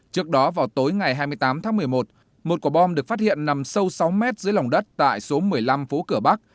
trước đó vào tối ngày hai mươi tám tháng một mươi một một quả bom được phát hiện nằm sâu sáu mét dưới lòng đất tại số một mươi năm phố cửa bắc